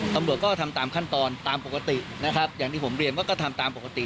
ตำรวจก็ทำตามขั้นตอนตามปกตินะครับอย่างที่ผมเรียนว่าก็ทำตามปกติ